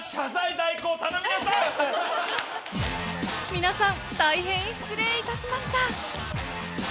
［皆さん大変失礼いたしました］